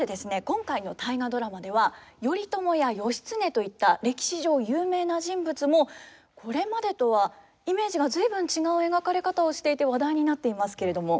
今回の「大河ドラマ」では頼朝や義経といった歴史上有名な人物もこれまでとはイメージが随分違う描かれ方をしていて話題になっていますけれども。